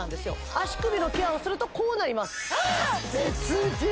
足首のケアをするとこうなります別人！